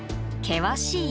険しい